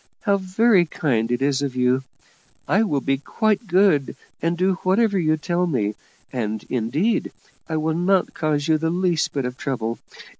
How very kind it is of you! I will be quite good, and do whatever you tell me; and, indeed, I will not cause you the least bit of trouble.